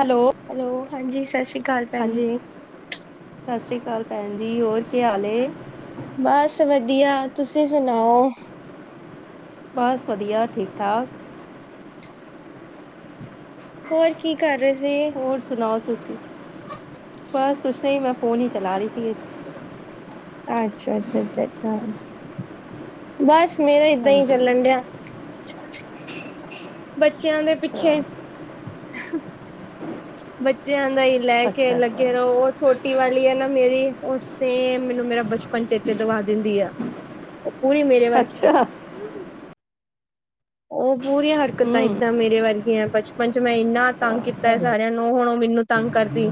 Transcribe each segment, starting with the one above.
Hello hello ਹਾਂਜੀ, ਸਤਿ ਸ਼੍ਰੀ ਅਕਾਲ ਭੈਣ ਹਾਂਜੀ ਜੀ। ਸਤਿ ਸ੍ਰੀ ਅਕਾਲ ਭੈਣ ਜੀ, ਹੋਰ ਕੀ ਹਾਲ ਏ। ਬਸ ਵਧੀਆ, ਤੁਸੀਂ ਸੁਣਾਓ। ਬਸ ਵਧੀਆ ਠੀਕ ਠਾਕ ਹੋਰ ਕੀ ਕਰ ਰਹੇ ਸੀ ਹੋਰ ਸੁਣਾਓ ਤੁਸੀਂ ਬਸ ਕੁਛ ਨਹੀਂ ਮੈਂ ਫੋਨ ਹੀ ਚਲਾ ਰਹੀ ਸੀਗੀ ਅੱਛਾ ਅੱਛਾ ਅੱਛਾ ਅੱਛਾ ਬਸ ਮੇਰਾ ਏਦਾਂ ਹੀ ਹਾਂਜੀ ਚੱਲਣ ਡਿਆ। [unintelligible] ਬੱਚਿਆਂ ਦੇ ਅੱਛਾ ਪਿੱਛੇ ਬੱਚਿਆਂ ਦਾ ਹੀ ਲੈ ਕੇ ਅੱਛਾ ਅੱਛਾ ਲੱਗੇ ਰਹੋ ਉਹ ਛੋਟੀ ਵਾਲੀ ਹੈ ਨਾ ਮੇਰੀ ਉਹ ਸੇਮ ਮੈਨੂੰ ਮੇਰਾ ਬਚਪਨ ਪੰਚੇਤੇ ਦਵਾ ਦਿੰਦੀ ਹੈ ਉਹ ਪੂਰੀ ਮੇਰੇ ਵਰ ਕੀ ਹੈ ਅੱਛਾ ਉਹ ਪੂਰੀਆਂ ਹਰਕਤਾਂ ਹਮ ਇੱਦਾਂ ਮੇਰੇ ਵੱਲ ਦੀਆਂ ਬਚ ਮੰ ਚ ਮੈਂ ਇੰਨਾ ਤੰਗ ਅੱਛਾ ਕੀਤਾ ਸਾਰਿਆਂ ਨੂੰ ਹੁਣ ਉਹ ਮੈਨੂੰ ਤੰਗ ਕਰਦੀ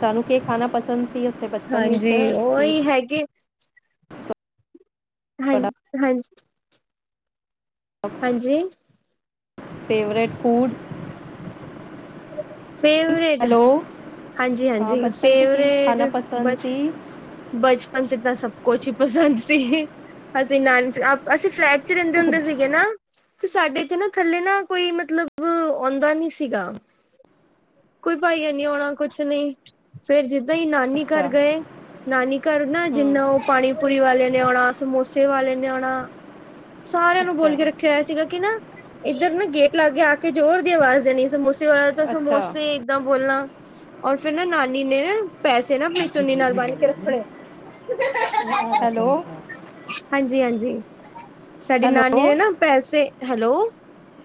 ਸਾਨੂੰ ਕੀ ਖਾਣਾ ਪਸੰਦ ਸੀ ਉੱਥੇ ਬਚਪਨ ਵਿੱਚ ਹਾਂਜੀ ਕੀ ਉਹੀ ਹੈਗੇ ਹਾਂ ਹਾਂਜੀ ਹਾਂਜੀ ਫੇਵਰੇਟ ਫੂਡ ਫੇਵਰੇਟ ਹੈਲੋ ਹਾਂ ਹਾਂਜੀ-ਹਾਂਜੀ, ਬਚਪਨ 'ਚ ਕੀ ਖਾਣਾ ਫੇਵਰੇਟ ਪਸੰਦ ਬਚ ਸੀ ਬਚਪਨ ਚ ਤਾਂ ਸਭ ਕੁਛ ਹੀ ਪਸੰਦ ਸੀ, ਅਸੀ ਨਾਨੀ ਆਪ ਅਸੀਂ ਫਲੈਟ'ਚ ਰਹਿੰਦੇ ਹੁੰਦੇ ਸੀਗੇ ਨਾ। ਤੇ ਸਾਡੇ ਇਥੇ ਨਾ, ਥੱਲੇ ਨਾ ਕੋਈ ਮਤਲਬ ਆਉਂਦਾ ਨੀ ਸੀਗਾ। ਕੋਈ ਭਾਈਆ ਨੀ ਆਉਣਾ ਕੁਛ ਨਹੀ ਫੇਰ ਜਿੱਦਾਂ ਹੀ ਨਾਨੀ ਅੱਛਾ ਘਰ ਗਏ ਨਾਨੀ ਘਰ ਨਾ ਜਿੰਨਾ ਹਮ ਉਹ ਪਾਣੀ ਪੂਰੀ ਵਾਲੇ ਨੇ ਆਉਣਾ ਸਮੋਸੇ ਵਾਲੇ ਨੇ ਆਉਣਾ ਸਾਰਿਆਂ ਨੂੰ ਅੱਛਾ ਬੋਲ ਕੇ ਰੱਖ ਆ ਸੀਗਾ ਕਿ ਨਾ ਇੱਧਰ ਨਾ ਗੇਟ ਲਾਗ ਕੇ ਆ ਕੇ ਜ਼ੋਰ ਦੀ ਆਵਾਜ਼ ਦੇਣੀ ਮੂਸੇਵਾਲਾ ਤਾਂ ਸ ਅੱਛਾ ਮੋਸ ਏਦਾਂ ਬੋਲਣਾ ਔਰ ਫੇਰ ਨਾ ਨਾਨੀ ਨੇ ਪੈਸੇ ਨਾ ਆਪਣੇ ਚੁੰਨੀ ਨਾਲ ਬੰਣ ਕੇ ਰੱਖਣੇ। ਹੈਲੋ [unintelligible] ਹਾਂਜੀ ਹਾਂਜੀ ਸਾਡੀ ਨਾਨੀ ਹੈਲੋ ਨੇ ਨਾ ਪੈਸੇ ਹੈਲੋ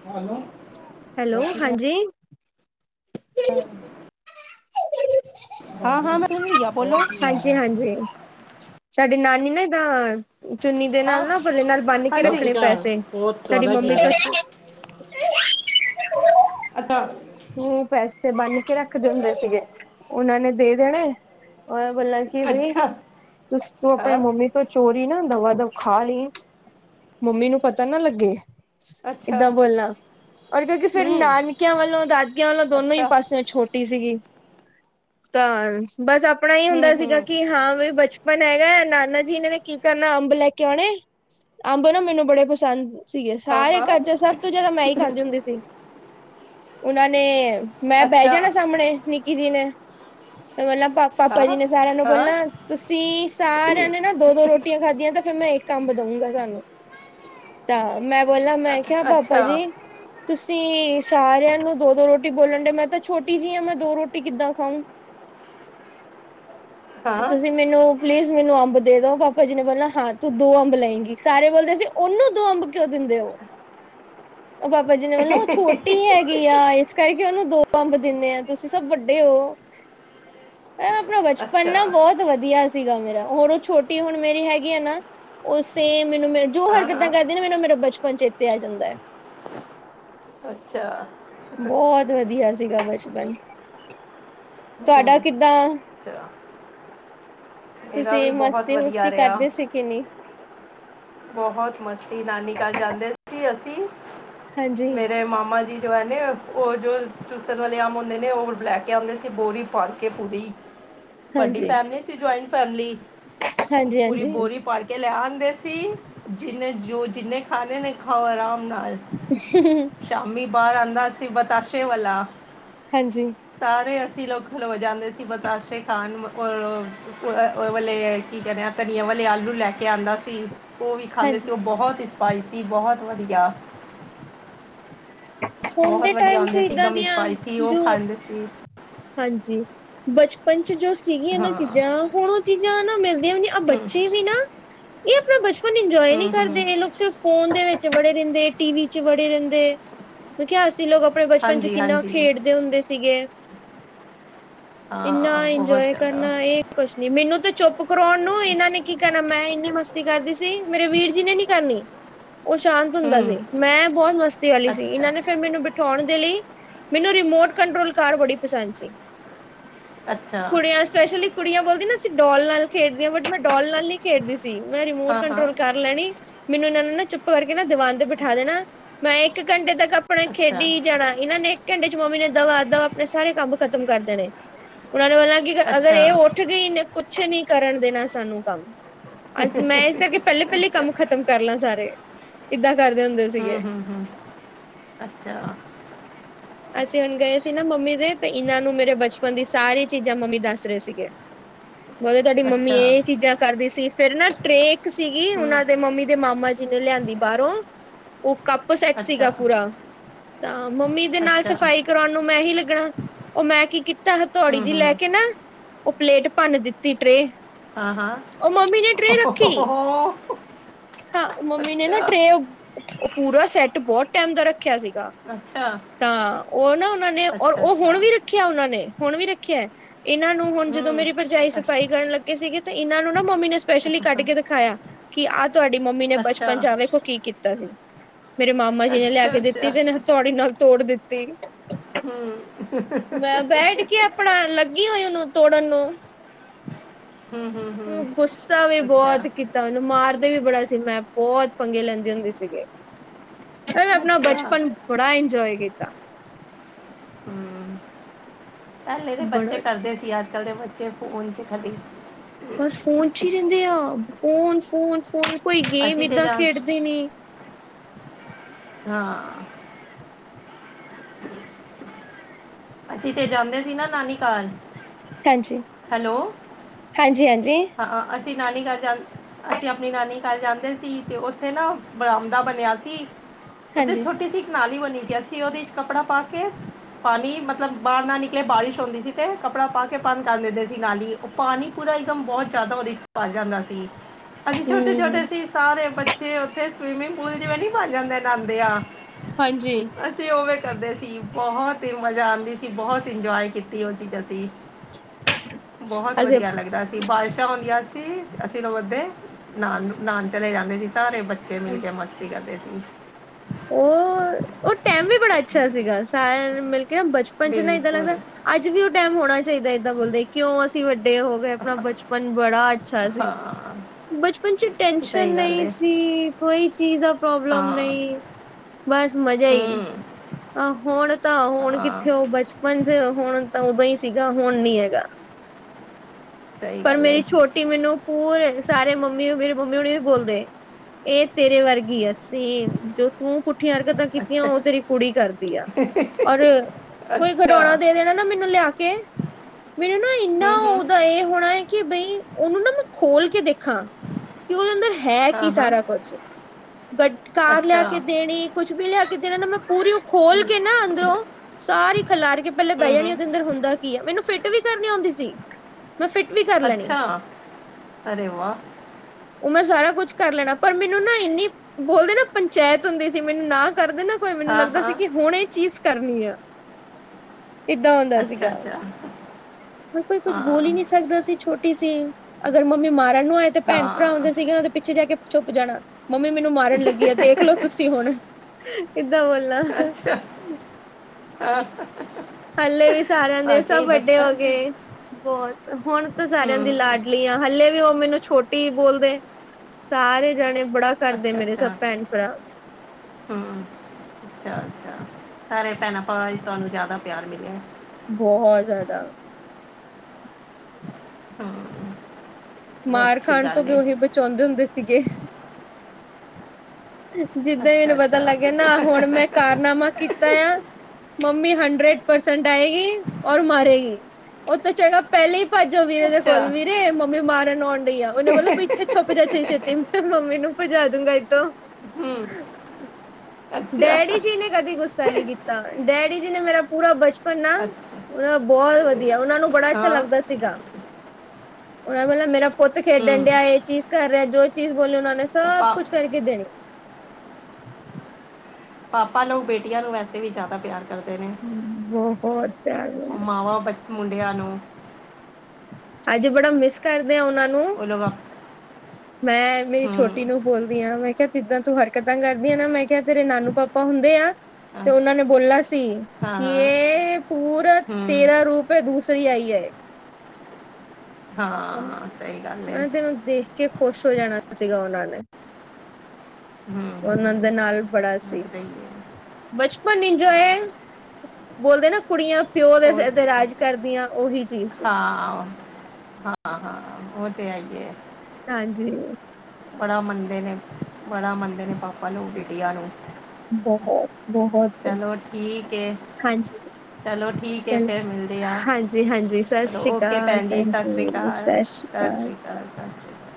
ਹੈਲੋ ਹੈਲੋ ਸਤਿ ਸ਼੍ਰੀ ਅਕਾਲ ਹਾਂਜੀ ਹਾਂ ਹਾਂ ਮੈਂ ਤੁਣਈ ਆ ਬੋਲੋ ਜੀ ਸਾਡੀ ਨਾਨੀ ਨਾ ਇਦਾਂ ਚੁੰਨੀ ਦੇ ਹਾਂ ਨਾਲ ਨਾ ਸਤਿ ਫਲੇ ਨਾਲ ਬੰਨ ਕੇ ਹਾਂਜੀ ਸ਼੍ਰੀ ਰੱਖਣੇ ਅਕਾਲ ਪੈਸੇ ਉਹ ਸਾਡੀ ਤੁਹਾਡਾ ਕੀ ਮੰਮੀ ਹਾਲ ਤਾਂ ਹੈ [unintelligible] [unintelligible] ਉਹ ਪੈਸੇ ਬੰਨ ਕੇ ਰੱਖਦੇ ਹੁੰਦੇ ਸੀਗੇ, ਉਹਨਾਂ ਨੇ ਦੇ ਦੇਣੇ। ਉਹ ਬੋਲਾਂ ਕਿ ਬਈ, ਅੱਛਾ ਤੁਸ ਤੂੰ ਆਪਣੇ ਹਾਂ ਮੰਮੀ ਤੋਂ ਚੋਰੀ ਨਾ ਦਵਾ ਦਵ ਖਾ ਲਈ, ਮੰਮੀ ਨੂੰ ਪਤਾ ਨਾ ਲੱਗੇ। ਅੱਛਾ ਇੱਦਾਂ ਬੋਲਣਾ, ਔਰ ਕਿਉਂਕਿ ਫੇਰ ਹੂੰ ਨਾਨਕੀਆਂ ਵੱਲੋਂ, ਦਾਦਕੀਆਂ ਵੱਲੋਂ ਦੋਨੋ ਹੀ ਅੱਛਾ ਪਾਸੋ ਛੋਟੀ ਸੀਗੀ, ਤਾਂ ਬਸ ਆਪਣਾ ਹੀ ਹੂੰ ਹੁੰਦਾ ਸੀਗਾ ਹੂੰ ਕਿ ਹਾਂ ਵੀ ਬਚਪਨ ਮੈਨ ਹੈਗਾ ਨਾਨਾ ਜੀ ਇਹਨਾਂ ਨੇ ਕੀ ਕਰਨਾ ਅੰਬ ਲੈ ਕੇ ਆਉਣੇ ਅੰਬ ਨਾ ਮੈਨੂੰ ਬੜੇ ਪਸੰਦ ਸੀਗੇ ਹਾਂ ਸਾਰੇ ਹਾਂ ਘਰ ਚ ਸਭ ਤੋਂ ਜਿਆਦਾ ਮੈਂ ਖਾਂਦੇ ਹੁੰਦੇ ਸੀ ਉਹਨਾਂ ਨੇ ਮੈਂ ਬਹਿ ਅੱਛਾ ਜਾਣਾ ਸਾਹਮਣੇ ਨਿੱਕੀ ਜੀ ਨੇ ਮਤਲਬ ਪ ਹਾਂ ਪਾਪਾ ਜੀ ਨੇ ਸਾਰਿਆਂ ਨੂੰ ਹਾਂ ਬੋਲਣਾ ਤੁਸੀਂ ਸਾਰਿਆਂ ਨੇ ਨਾ ਦੋ ਦੋ ਰੋਟੀਆਂ ਖਾਧੀਆਂ ਤੇ ਫੇਰ ਮੈਂ ਇੱਕ ਕੰਬ ਦਊਂਗਾ ਤੁਹਾਨੂੰ ਤਾਂ ਮੈਂ ਬੋਲਾਂ ਮੈਂ ਕਿਹਾ ਪਾਪਾ ਅੱਛਾ ਜੀ ਤੁਸੀਂ ਸਾਰਿਆਂ ਨੂੰ ਦੋ ਦੋ ਰੋਟੀ ਬੋਲਣ ਡੇ ਮੈਂ ਤਾਂ ਛੋਟੀ ਜਿ ਹ ਆ ਮੈਂ ਦੋ ਰੋਟੀ ਕਿੱਦਾਂ ਖਾਊ ਤੇ ਹਾਂ ਤੁਸੀਂ ਮੈਨੂੰ ਪਲੀਜ਼ ਮੈਨੂੰ ਅੰਬ ਦੇ ਦੋ ਪਾਪਾ ਜੀ ਨੇ ਬੋਲਣਾ ਹਾਂ ਤੂੰ ਦੋ ਅੰਬ ਲਏਂਗੀ ਸਾਰੇ ਬੋਲਦੇ ਸੀ ਉਹਨੂੰ ਦੋ ਅੰਬ ਕਿਉਂ ਦਿੰਦੇ ਉਹ ਉਹ ਬਾਬਾ ਜੀ ਨੇ ਵਤਲ ਉਹ ਛੋਟੀ ਹੈਗੀ ਇਸ ਕਰਕੇ ਉਹਨੂੰ ਦੋ ਅੰਬ ਦਿੰਦੇ ਆ ਤੁਸੀਂ ਸਭ ਵੱਡੇ ਹੋ ਆਪਣਾ ਬਚਪਨ ਅੱਛਾ ਨਾ ਬਹੁਤ ਵਧੀਆ ਸੀਗਾ ਮੇਰਾ, ਹੁਣ ਉਹ ਛੋਟੀ ਹੁਣ ਮੇਰੀ ਹੈਗੀ ਆ ਨਾ ਉਹ ਸੇਮ ਮੈਨੂੰ ਮੇਰੇ ਜੋ ਹਾਂ ਹਰਕਤ ਕਿਦਾਂ ਹਾਂ ਕਰਦੇ ਨੇ ਮੈਨੂੰ ਮੇਰਾ ਬਚਪਨ ਚੇਤੇ ਆ ਜਾਂਦਾ ਏ। ਅੱਛਾ। ਤ ਵਧੀਆ ਸੀਗਾ ਬਚਪਨ। ਹੂੰ ਤੁਹਾਡਾ ਕਿਦਾਂ ਅੱਛਾ ਮੇਰਾ ਤੁਸੀ ਵੀ ਬਹੁਤ ਮਸਤੀ ਵਧੀਆ ਮੁਸਤੀ ਰਿਹਾ ਕਰਦੇ ਸੀ ਕਿ ਨਹੀ। ਬਹੁਤ ਮਸਤੀ ਨਾਨੀ ਘਰ ਜਾਦੇ ਸੀ ਅਸੀ ਹਾਂਜੀ ਮੇਰੇ ਮਾਮਾ ਜੀ ਜੋ ਹੈ ਨਾ ਉਹ ਜੋ ਚੂਸਣ ਵਾਲੇ ਆਮ ਹੁੰਦੇ ਨੇ ਉਹ ਲੈ ਕੇ ਆਂਦੇ ਸੀ ਬੋਰੀ ਭਰ ਕੇ ਪੂਰੀ ਵਡੀ ਹਾਂਜੀ ਫੈਮਿਲੀ ਸੀ ਜੁਆਇਨ ਫੈਮਲੀ, ਹਾਂਜੀ ਪੂਰੀ ਹਾਂਜੀ ਬੋਰੀ ਭਰ ਕੇ ਲੈ ਆਂਦੇ ਸੀ। ਜਿਨ ਜੋ ਜਿਹਨੇ ਖਾਨੇ ਨੇ ਖਾਓ ਆਰਾਮ ਨਾਲ। [inaudible] ਸ਼ਾਮੀ ਬਾਹਰ ਆਂਦਾ ਸੀ ਬਤਾਸ਼ੇ ਵਾਲਾ। ਹਾਂਜੀ। ਸਾਰੇ ਅਸੀਂ ਲੋਕ ਖਲੋ ਜਾਂਦੇ ਸੀ ਬਤਾਸ਼ੇ ਖਾਣ ਓ ਆ ਉਹ ਵਾਲੇ ਕੀ ਕਹਿੰਦੇ ਆ। ਧਨੀਆ ਵਾਲੇ ਆਲੂ ਲੈ ਕੇ ਆਂਦਾ ਸੀ, ਉਹ ਵੀ ਖਾਂਦੇ ਹਾਂਜੀ ਸੀ ਉਹ ਬਹੁਤ ਸਪਾਈਸੀ ਬਹੁਤ ਵਧੀਆ। ਹੁਣ ਦੇ ਬਹੁਤ ਵਧੀਆ ਟਾਈਮ ਚ ਹੁੰਦੇ ਸੀ ਏਦਾਂ ਇੱਕਦਮ ਦੀਆਂ ਸਪਾਈਸੀ ਉਹ ਜੋ ਖਾਂਦੇ ਸੀ ਹਾਂਜੀ, ਬਚਪਨ ਚ ਜੋ ਸੀਗੀਆਂ ਨਾ ਹਾਂ ਚੀਜ਼ਾਂ ਹੁਣ ਉਹ ਚੀਜ਼ਾਂ ਨਾ ਮਿਲਦੀਆਂ ਵੀ ਨੀ ਹਮ ਬੱਚੇ ਵੀ ਨਾ ਇਹ ਆਪਣਾ ਬਚਪਨ ਇਜੋਏ ਨਹੀ ਹਮ ਹਮ ਕਰਦੇ ਇਹ ਲੋਕ ਫੋਨ ਦੇ ਵਿਚ ਵੜੇ ਰਹਿੰਦੇ, ਟੀ ਵੀ ਚ ਵੜੇ ਰਹਿੰਦੇ ਮੈਂ ਕਿਹਾ ਅਸੀਂ ਲੋਕ ਆਪਣੇ ਬਚਪਨ ਚ ਹਾਂਜੀ ਕਿਨਾਂ ਹਾਂਜੀ ਖੇਡਦੇ ਹੁੰਦੇ ਸੀਗੇ। ਹਾਂ ਇਨਾਂ ਬਹੁਤ ਇਜੋਏ ਜ਼ਿਆਦਾ ਕਰਨਾ ਇਹ ਕੁਛ ਨੀ ਮੈਨੂੰ ਤਾਂ ਚੁਪ ਕਰਾਉਣ ਨੂੰ ਇਹਨਾ ਨੇ ਕੀ ਕਹਿਣਾ ਮੈ ਇਨੀਂ ਮਸ ਕਰਦੀ ਸੀ। ਮੇਰੇ ਵੀਰ ਜੀ ਨੇ ਨੀ ਕਰਨੀ, ਉਹ ਸ਼ਾਤ ਹੁੰਦਾ ਹਮ ਸੀ, ਮੈ ਬਹੁਤ ਮਸਤੀ ਚਲੀ ਸੀ, ਅੱਛਾ ਇਹਨਾਂ ਨੇ ਫਿਰ ਮੈਨੂੰ ਬਿਠਾਉਣ ਦੇ ਲਈ ਮੈਨੂੰ ਰਿਮੋਟ ਕੰਟਰੋਲ ਕਾਰ ਬੜੀ ਪਸੰਦ ਸੀ। ਅੱਛਾ ਕੁੜੀਆਂ ਸਪੈਸ਼ਲੀ ਕੁੜੀਆਂ ਬੋਲਦੀ ਨਾ ਅਸੀ ਡੋਲ ਨਾਲ ਖੇਡਦੀ ਸੀ ਬਟ ਮੈ ਡੋਲ ਨਾਲ ਨਹੀ ਖੇਡਦੀ ਸੀ। ਮੈ ਰਿਮੋਟ ਹਾਂ ਹਾਂ ਕੰਟਰੋਲ ਕਰ ਲੈਣੀ, ਮੈਨੂੰ ਇਹਨਾ ਨੂੰ ਨਾ ਚੁਪ ਕਰਕੇ ਨਾ ਦੀਵਾਨ ਤੇ ਬਿਠਾ ਦੇਣਾ। ਮੈ ਇਕ ਘੰਟੇ ਤੱਕ ਆਪਣਾ ਖੇਡੀ ਅੱਛਾ ਹੀ ਜਾਣਾ ਇਹਨਾ ਨੇ ਘੰਟੇ ਚ ਮੰਮੀ ਨੇ ਦਵਾ ਦਬ ਆਪਣੇ ਸਾਰੇ ਕੰਮ ਖਤਮ ਕਰ ਦੇ ਨੇ ਉਹਨਾ ਨੇ ਬੋਲਣਾ ਅਗਰ ਅੱਛਾ ਇਹ ਉਠ ਗਈ, ਇਹਨੇ ਕੁਛ ਨੀ ਕਰਨ ਦੇਣਾ ਸਾਨੂੰ ਕੰਮ ਅਸ ਮੈ ਇਸ ਕਰਕੇ ਪਹਿਲੇ-ਪਹਿਲੇ ਅੱਛਾ ਕੰਮ ਖਤਮ ਕਰ ਲਾ ਸਾਰੇ ਇਦਾਂ ਕਰਦੇ ਹੁੰਦੇ ਹਮ ਸੀਗੇ। ਹਮ ਹਮ ਅੱਛਾ। [inaudible] ਅਸੀ ਹੁਣ ਗਏ ਸੀ ਨਾ ਮੰਮੀ ਦੇ ਤੇ ਇਹਨਾ ਨੂੰ ਮੇਰੇ ਬਚਪਨ ਦੀ ਸਾਰੀ ਚੀਜਾ ਮੰਮੀ ਦਸ ਰਹੇ ਸੀਗੇ। [inaudible] [inaudible] ਉਦੇ ਤੁਹਾਡੀ ਮੰਮੀ ਅੱਛਾ ਇਹ ਚੀਜ਼ਾਂ ਕਰਦੀ ਸੀ ਫਿਰ ਨਾ ਟ੍ਰਰੇਕ ਸੀਗੀ ਹਮ ਉਹਨਾ ਦੇ ਮੰਮੀ ਦੇ ਮਾਮਾ ਚ' ਜਿਹਨ ਲਿਆਦੀ ਬਾਹਰੋ ਉਹ ਕਪ ਸੈਟ ਸੀਗਾ ਅੱਛਾ ਪੂਰਾ, ਤਾ ਮੰਮੀ ਦੇ ਨਾਲ ਅੱਛਾ ਸਫਾਈ ਕਰਾਉਣ ਨੂੰ ਮੈ ਹੀ ਲਗਣਾ, ਉਹ ਮੈ ਕੀ ਕੀਤਾ ਹਥੋੜੀ ਹਮ ਜਿਹੀ ਹਮ ਲੈ ਕੇ ਨਾ ਉਹ ਪਲੇਟ ਭੰਨ ਦਿੱਤੀ ਟਰੇ। ਹਾਂ- ਹਾਂ, ਉਹ ਮੰਮੀ ਨੇ ਟਰੇ ਰੱਖੀ ਹੋ-ਹੋ-ਹੋ। ਹਾਂ ਮੰਮੀ ਨੇ ਨਾ ਟਰੇ, ਉਹ ਪੂਰਾ ਸੈਟ ਬਹੁਤ ਟਾਈਮ ਦਾ ਰੱਖਿਆ ਸੀਗਾ। ਅੱਛਾ ਤਾਂ ਉਹ ਨਾ ਉਹਨਾਂ ਨੇ ਔਰ ਅੱਛਾ ਉਹ ਅੱਛਾ ਹੁਣ ਵੀ ਰੱਖਿਆ ਉਹਨਾ ਨੇ ਹੁਣ ਵੀ ਰੱਖਿਆ। ਇਹਨਾਂ ਨੂੰ ਹੁਣ ਜਦੋਂ ਹਮ ਮੇਰੀ ਭਰਜਾਈ ਸਫ਼ਾਈ ਕਰਨ ਲਗੇ ਸੀਗੇ ਤੇ ਇਹਨਾਂ ਨੂੰ ਨਾ ਮੰਮੀ ਨੇ ਸਪੈਸ਼ਲੀ ਕੱਢ ਕੇ ਅੱਛਾ ਦਿਖਾਇਆ। ਕਿ ਆਹ ਤੁਹਾਡੀ ਮੰਮੀ ਨੇ ਅੱਛਾ ਬਚਪਨ ਚ ਆ ਵੇਖੋ ਕੀ ਕੀਤਾ ਸੀ। ਮੇਰੇ ਮਾਮਾ ਜੀ ਨੇ ਲਿਆ ਅੱਛਾ ਕੇ ਦਿੱਤੀ ਅੱਛਾ ਤੇ ਥੋਡੀ ਨਾਲ ਤੋੜ ਦਿੱਤੀ। ਹਮ ਮੈ ਬੈਠ ਕੇ ਆਪਣਾ ਲੱਗ ਕੀ ਹੋਇਆ ਉਹਨੂੰ ਤੋੜਨ ਨੂੰ ਹਮ ਹਮ ਹਮ ਗੁਸਾ ਵੀ ਅੱਛਾ ਬਹੁਤ ਕੀਤ ਤਾਂ ਉਹਨੂੰ ਮਾਰਦੇ ਵੀ ਬੜਾ ਸੀ, ਮੈਂ ਬਹੁਤ ਪੰਗੇ ਲੈਂਦੇ ਹੁੰਦੇ ਸੀਗੇ। ਮੈਂ ਆਪਣਾ ਅੱਛਾ ਬਚਪਨ ਬੜਾ ਇੰਜੋਏ ਕੀਤਾ। ਹੂ, ਹੱਲੇ ਤੇ ਬੱਚੇ ਬੜਾ ਕਰਦੇ ਸੀ ਅੱਜ ਕੱਲ ਦੇ ਚਿਪ ਉਜ ਹੀ ਖੱਲ [unintelligible] ਬਸ ਫੋਨ ਚ ਹੀ ਰਹਿੰਦੇ ਆ, ਫੋਨ- ਫੋਨ -ਫੋਨ ਕੋਈ ਗੇਮ ਅਸੀਂ ਤੇ ਏਦਾਂ ਜਾਂ ਖੇਡਦੇ ਨੇ। ਹਾਂ। ਅਸੀਂ ਤੇ ਜਾਂਦੇ ਸੀ ਨਾ ਨਾਨੀ ਘਰ ਹਾਂਜੀ ਹੈਲੋ -ਹਾਂਜੀ- ਹਾਂਜੀ। ਹਾਂ, ਅਸੀਂ ਨਾਨੀ ਘਰ ਜਾਂ ਅਸੀਂ ਆਪਣੀ ਨਾਨੀ ਘਰ ਜਾਂਦੇ ਸੀ ਤੇ ਉੱਥੇ ਨਾ ਬਰਾਮਦਾ ਬਣਿਆ ਸੀ। ਉਥੇ ਹਾਂਜੀ ਛੋਟੀ ਸੀ ਇੱਕ ਨਾਲੀ ਬਣੀ ਸੀ, ਅਸੀਂ ਉਹਦੇ ਚ ਕੱਪੜਾ ਪਾ ਕੇ ਪਾਣੀ ਮਤਲਬ ਬਾਹਰ ਨਾ ਨਿਕਲੇ ਬਾਰਿਸ਼ ਹੁੰਦੀ ਸੀ ਤੇ ਕੱਪੜਾ ਪਾ ਕੇ ਬੰਦ ਕਰ ਦਿੰਦੇ ਸੀ ਨਾਲੀ, ਉਹ ਪਾਣੀ ਪੂਰਾ ਬਹੁਤ ਜ਼ਿਆਦਾ ਉਹ ਭਰ ਜਾਂਦਾ ਸੀ ਅਸੀਂ ਛੋਟੇ ਛੋਟੇ ਹਮ ਸੀ ਸਾਰੇ ਬੱਚੇ ਉੱਥੇ ਸਵੀਮਿੰਗ ਪੂਲ ਜਿਵੇ ਨੀ ਬਣ ਜਾਂਦੇ ਨਾਂਦੇ ਆ ਹਾਂਜੀ। ਅਸੀ ਉਵੇ ਕਰਦੇ ਸੀ ਬਹੁਤ ਹੀ ਮਜਾ ਆਉਦੀ ਸੀ ਬਹੁਤ ਇੰਜੋਏ ਕੀਤੀ ਉਹ ਚੀਜ ਅਸੀ ਬਹੁਤ ਅਸੀਂ ਵਧੀਆ ਲਗਦਾ ਬਾਰਿਸ਼ਾ ਹੁੰਦੀਆ ਸੀ ਅਸੀ ਅਧੇ ਨਹਾਨ ਚਲੇ ਜਾਦੇ ਸੀ ਸਾਰੇ ਬੱਚੇ ਬੱਚੇ ਮਿਲ ਕੇ ਮਸਤੀ ਕਰਦੇ ਸੀ। ਉਹ ਉਹ ਟਾਈਮ ਵੀ ਬੜਾ ਅਛਾ ਸੀਗਾ ਸਾਰਿਆ ਮਿਲ ਕੇ ਨਾ ਬਚਪਨ ਚ' ਨਾ ਏਦਾ ਬਿਲਕੁਲ ਲਗਦਾ ਅਜ ਵੀ ਉਹ ਟਾਈਮ ਹੋਣਾ ਚਾਹੀਦਾ ਏਦਾ ਬੋਲਦੇ ਕਿਉ ਅਸੀ ਵਡੇ ਹੋ ਗਏ ਆਪਣਾ ਬਚਪਨ ਬੜਾ ਅਛਾ ਸੀ। ਹਾਂ ਬਚਪਨ ਚ ਟੈਂਨਸ਼ਨ ਸਹੀ ਗੱਲ ਨਹੀਂ ਏ ਸੀ ਕੋਈ ਚੀਜ਼ ਦਾ ਪ੍ਰੋਬਲਮ ਹਾਂ ਨਹੀਂ। ਬਸ ਮਜ਼ਾ ਈ, ਹੂੰ ਆ ਹੁਣ ਤਾਂ ਹੁਣ ਹਾਂ ਕਿੱਥੇ ਓ। ਉਹ ਬਚਪਨ ਚ ਹੁਣ ਤਾਂ ਉਦੋਂ ਹੀ ਸੀਗਾ ਹੁਣ ਨੀ ਹੈਗਾ। ਸਹੀ ਪਰ ਗੱਲ ਏ ਮੇਰੀ ਛੋਟੀ ਮੈਨੂੰ ਪੂਰੇ ਸਾਰੇ ਮੰਮੀ ਮੇਰੀ ਮੰਮੀ ਹੁਣੇ ਵੀ ਬੋਲਦੇ। ਇਹ ਤੇਰੇ ਵਰਗੀਏ ਸੇਮ, ਜੋ ਤੂੰ ਪੁੱ ਪੁੱਠੀਆਂ ਹਰਕਤਾਂ ਕੀਤੀਆਂ ਅੱਛਾ ਉਹ ਤੇਰੀ ਕੁੜੀ ਕਰਦੀ ਆ। ਅਰੇ, ਕੋਈ ਅੱਛਾ ਖਿਡੋਣਾ ਦੇ ਦੇਣਾ ਨਾ ਮੈਨੂੰ ਲਿਆ ਕੇ ਮੈਨੂੰ ਨਾ ਇੰਨਾ ਹੂੰ ਹੂੰ ਉਹਦਾ ਇਹ ਹੋਣਾ ਹੈ ਕਿ ਬਈ ਉਹਨੂੰ ਨਾ ਮੈਂ ਖੋਲ ਕੇ ਦੇਖਾਂ। ਕਿ ਉਹਦੇ ਅੰਦਰ ਹੈ ਕੀ ਹਾਂ ਹਾਂ ਸਾਰਾ ਕੁਝ। ਗੱ ਕਾਰ ਅੱਛਾ ਲਿਆ ਕੇ ਦੇਣੀ, ਕੁਛ ਵੀ ਲਿਆ ਕੇ ਦੇਣਾ ਨਾ ਮੈਂ ਪੂਰੀ ਉਹ ਖੋਲ ਕੇ ਨਾ ਅੰਦਰੋਂ ਸਾਰੀ ਖਲਾਰ ਕੇ ਪਹਿਲੇ ਹੂੰ ਬਹਿ ਹੂੰ ਜਾਣੀ ਉਹਦੇ ਅੰਦਰ ਹੁੰਦਾ ਕੀ ਹੈ, ਮੈਨੂੰ ਫਿਟ ਵੀ ਕਰਨੀ ਆਉਂਦੀ ਸੀ। ਮੈਂ ਫਿਟ ਵੀ ਕਰ ਲੈਣੀ। ਅੱਛਾ ਅਰੇ ਵਾਹ ਉਹ ਮੈਂ ਸਾਰਾ ਕੁਛ ਕਰ ਲੈਣਾ ਪਰ ਮੈਨੂੰ ਨਾ ਇੰਨੀ ਬੋਲਦੇ ਨਾ ਪੰਚਾਇਤ ਹੁੰਦੀ ਸੀ ਮੈਨੂੰ ਨਾ ਕਰਦੇ ਨਾ ਕੋਈ ਮੈਨੂੰ ਹਾਂ ਲੱਗਦਾ ਸੀ ਹਾਂ ਕਿ ਹੁਣ ਇਹ ਚੀਜ਼ ਕਰਨੀ ਆ। ਏਦਾਂ ਹੁੰਦਾ ਸੀਗਾ, ਅੱਛਾ ਅੱਛਾ ਹੁਨ ਕੋਈ ਕੁੱਛ ਬੋਲ ਹਾਂ ਹੀ ਨਹੀਂ ਉਦੋਂ ਅਸੀ ਛੋਟੀ ਸੀ, ਅਗਰ ਮੰਮੀ ਮਾਰਨ ਨੂੰ ਆਏ ਤੇ ਭੈਣ ਭਰਾ ਹਾਂ ਹੁੰਦੇ ਸੀਗੇ ਉਹਨਾਂ ਦੇ ਪਿੱਛੇ ਜਾ ਕੇ ਛੁੱਪ ਜਾਣਾ, ਮੰਮੀ ਮੈਨੂੰ ਮਾਰਨ ਲੱਗੀ ਆ ਦੇਖ ਲੋ ਤੁਸੀਂ ਹੁਣ। ਇੱਦਾਂ ਬੋਲਨਾ। ਅੱਛਾ [inaudible] ਹੱਲੇ ਵੀ ਸਾਰਿਆਂ ਦੇ ਸਭ ਵਾਕਈ ਵੱਡੇ ਹੋ ਬਚਪਨ ਚ ਗਏ, ਬਹੁਤ ਹੁਣ ਤਾਂ ਸਾਰਿਆਂ ਹੂੰ ਦੀ ਲਾਡ ਲਿਆ ਹਲੇ ਵੀ ਉਹ ਮੈਨੂੰ ਛੋਟੀ ਬੋਲਦੇ, ਸਾਰੇ ਜਾਣੇ ਬੜਾ ਕਰਦੇ ਅੱਛਾ ਮੇਰੇ -ਅੱਛਾ, ਸਭ ਭੈਣ ਭਰਾ ਹੂ। ਅੱਛਾ -ਅੱਛਾ, ਸਾਰੇ ਭੈਣਾਂ ਭਰਾਵਾਂ ਚ ਤੁਹਾਨੂੰ ਜ਼ਿਆਦਾ ਪਿਆਰ ਮਿਲਿਆ। ਬਹੁਤ ਜ਼ਿਆਦਾ। ਹਾਂ। ਮਾਰ ਖਾਣ ਤੋਂ ਵੀ ਉਹੀ ਬਚਾਉਂਦੇ ਹੁੰਦੇ ਸੀਗੇ। ਜਿੱਦਾਂ ਹੀ ਅੱਛਾ ਮੈਨੂੰ ਪਤਾ ਅੱਛਾ ਲੱਗਿਆ ਨਾ ਹੁਣ ਮੈਂ ਕਾਰਨਾਮਾ ਕੀਤਾ ਏ, ਮੰਮੀ ਹੰਡਰਡ ਪਰਸੈਂਟ ਆਏਗੀ ਔਰ ਮਾਰੇਗੀ, ਉਹ ਤਾਂ ਚੰਗਾ ਪਹਿਲੇ ਹੀ ਭੱਜ ਜੋ ਵੀਰੇ ਦੇ ਕੋਲ ਅੱਛਾ ਵੀਰੇ ਮੰਮੀ ਮਾਰਨ ਆਉਣ ਡਈ ਆ, ਉਹਨੇ ਬੋਲਣਾ ਤੂੰ ਇੱਥੇ ਛੁਪ ਜਾ ਛੇਤੀ ਛੇਤੀ ਤੇ ਮੰਮੀ ਨੂੰ ਭਜਾ ਦੂੰਗਾ ਏਥੋਂ। ਹੂ ਡੈਡੀ ਜੀ ਨੇ ਕਦੇ ਗੁੱਸਾ ਨਹੀਂ ਕੀਤਾ, ਡੈਡੀ ਜੀ ਨੇ ਮੇਰਾ ਪੂਰਾ ਬਚਪ ਪਰ ਨਾ ਬਹੁਤ ਵਧੀਆ ਉਹਨਾਂ ਨੂੰ ਬੜਾ ਅੱਛਾ ਲੱਗਦਾ ਸੀਗਾ ਉਹਦਾ ਮਤਲਬ ਮੇਰਾ ਪੁੱਤ ਖੇਡਣ ਡਿਆ ਇਹ ਚੀਜ਼ ਕਰ ਰਿਹਾ ਜੋ ਚੀਜ਼ ਬੋਲੀ ਉਹਨਾ ਨੇ ਸਭ ਪਾ ਕੁਛ ਕਰਕੇ ਦੇਣੀ ਪਾਪਾ ਲੋਗ ਬੇਟੀਆਂ ਨੂੰ ਵੈਸੇ ਵੀ ਜ਼ਿਆਦਾ ਪਿਆਰ ਕਰਦੇ ਨੇ ਬਹੁਤ ਪਿਆਰ ਉਹ ਮਿਲਦਾ। ਮਾਵਾਂ ਬ ਮੁੰਡਿਆਂ ਨੂੰ ਅੱਜ ਬੜਾ ਮਿਸ ਕਰਦਿਆਂ ਉਹਨਾਂ ਨੂੰ ਉਹ ਲੋਕ [inaudible] ਮੈਂ ਮੇਰੀ ਹੂੰ ਛੋਟੀ ਨੂੰ ਬੋਲਦੀ ਆ ਮੈਂ ਕਿਹਾ ਜਿੱਦਾਂ ਤੂੰ ਹਰਕਤਾਂ ਕਰਦੀਆਂ ਨਾ ਮੈਂ ਕਿਹਾ ਤੇਰੇ ਨਾਨੂ ਪਾਪਾ ਹੁੰਦੇ ਆ ਹਾਂ ਤੇ ਉਹਨਾਂ ਨੇ ਬੋਲਨਾ ਸੀ ਹਾਂ ਕਿ ਹਾਂ, ਇਹ ਪੂਰਾ ਹੂੰ ਤੇਰਾ ਰੂਪ ਏ ਦੂਸਰੀ ਆਈ ਏ ਹਾਂ ਸਹੀ ਗੱਲ ਹੈ ਮੈਂ ਤੈਨੂੰ ਦੇਖ ਕੇ ਖੁਸ਼ ਹੋ ਜਾਣਾ ਸੀਗਾ ਉਹਨਾਂ ਨੇ। ਹੂੰ ਉਹਨਾਂ ਹੂੰ ਦੇ ਨਾਲ ਬੜਾ ਸੀ, ਲੱਗਦਾ ਹੀ ਹੈ ਬਚਪਨ ਹਾਂ ਇੰਜੋਏ ਬੋਲਦੇ ਨਾ ਕੁੜੀਆਂ ਪਿਓ ਦੇ ਹੋਰ ਸਿਰ ਤੇ ਕੀ। ਰਾਜ ਕਰਦੀਆਂ ਉਹੀ ਚੀਜ਼ ਸੀ ਹਾਂ ਹਾਂ ਹਾਂ ਉਹ ਤੇ ਹੈ ਈ ਏ ਹਾਂਜੀ ਬੜਾ ਮੰਨਦੇ ਨੇ ਬੜਾ ਮੰਨਦੇ ਨੇ ਪਾਪਾ ਲੋਗ ਬੇਟੀਆਂ ਨੂੰ ਬਹੁਤ ਬਹੁਤ ਚਲੋ ਠੀਕ ਏ ਹਾਂਜੀ ਚਲੋ ਠੀਕ ਹੈ, ਚਲ ਫਿਰ ਮਿਲਦੇ ਆ ਹਾਂਜੀ ਹਾਂਜੀ ਸਤਿ ਚਲੋ ਸ੍ਰੀ ਓਕੇ ਅਕਾਲ ਭੈਨ ਜੀ ਭੈਣ ਸਤ ਸ੍ਰੀ ਅਕਾਲ ਸਤਿ ਸ੍ਰੀ ਸਤ ਸ਼੍ਰੀ ਅਕਾਲ ਸਤ ਸ਼੍ਰੀ ਅਕਾਲ